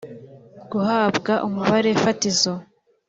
guhabwa umubare fatizo